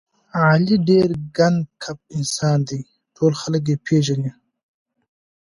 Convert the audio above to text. علي ډېر ګنډ کپ انسان دی، ټول خلک یې پېژني.